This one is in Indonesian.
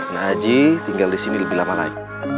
najih tinggal disini lebih lama lagi